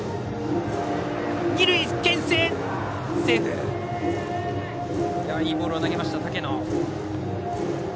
けん制いいボールを投げました、竹野。